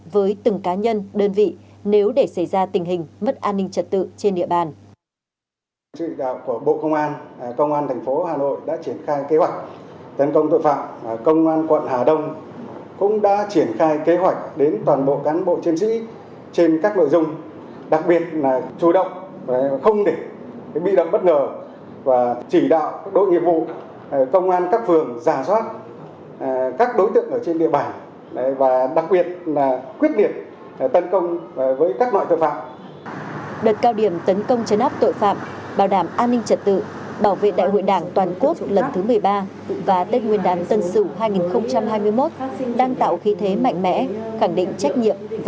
và quyết tâm của lực lượng công an thành phố hà nội nói riêng và công an cả nước nói chung